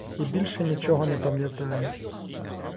І більше нічого не пам'ятаю.